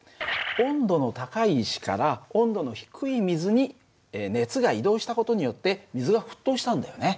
温度の高い石から温度の低い水に熱が移動した事によって水が沸騰したんだよね。